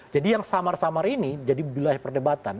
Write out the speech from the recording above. jadi yang samar samar ini jadi belah perdebatan